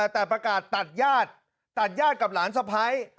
แต่ประกาศตัดญาติกับหลานสภัย